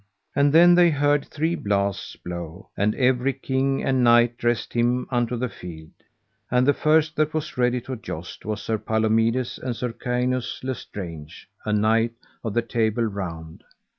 And then they heard three blasts blow, and every king and knight dressed him unto the field. And the first that was ready to joust was Sir Palomides and Sir Kainus le Strange, a knight of the Table Round.